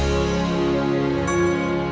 supaya adik kamu bisa berobat